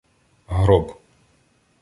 — Гроб.